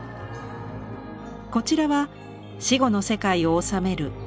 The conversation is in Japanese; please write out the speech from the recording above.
こちらは死後の世界を治めるオシリス神。